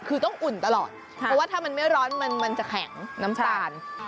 คือต้องอุ่นตลอดเพราะว่าถ้ามันไม่ร้อนมันจะแข็งน้ำตาล